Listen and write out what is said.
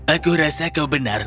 aku rasa kau benar